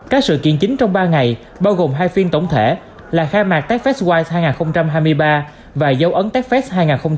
các sự kiện chính trong ba ngày bao gồm hai phiên tổng thể là khai mạc techfestwise hai nghìn hai mươi ba và dấu ấn techfest hai nghìn hai mươi bốn